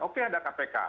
oke ada kpk